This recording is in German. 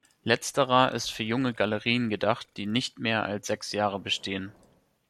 Letzterer ist für junge Galerien gedacht, die nicht mehr als sechs Jahre bestehen.